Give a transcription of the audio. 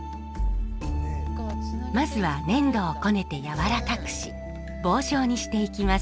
まずは粘土をこねてやわらかくし棒状にしていきます。